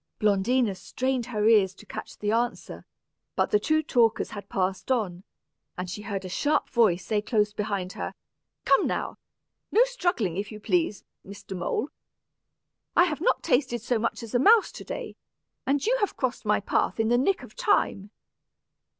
Blondina strained her ears to catch the answer; but the two talkers had passed on, and she heard a sharp voice say close beside her, "Come now, no struggling, if you please, Mr. Mole. I have not tasted so much as a mouse to day, and you have crossed my path in the nick of time."